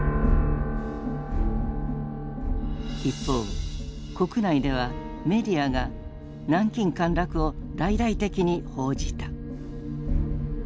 一方国内ではメディアが南京陥落を大々的に報じた。